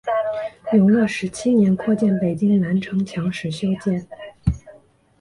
永乐十七年扩建北京南城墙时修建。